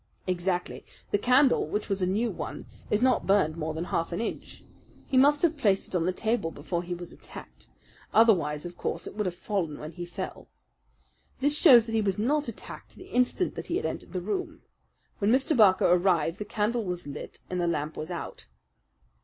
"Exactly. The candle, which was a new one, is not burned more than half an inch. He must have placed it on the table before he was attacked; otherwise, of course, it would have fallen when he fell. This shows that he was not attacked the instant that he entered the room. When Mr. Barker arrived the candle was lit and the lamp was out."